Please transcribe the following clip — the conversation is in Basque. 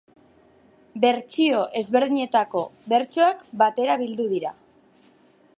Bertsio ezberdinetako bertsoak batera bildu dira.